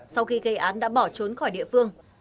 sau khi gây án đã bỏ trốn khỏi địa phương